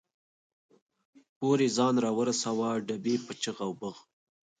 پورې ځان را ورساوه، ډبې په چغ او بغ.